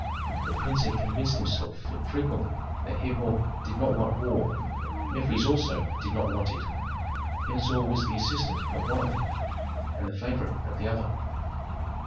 The prince had convinced himself frequently that Herhor did not want war; Mefres also did not want it. Pentuer was the assistant of one of them, and the favorite of the other.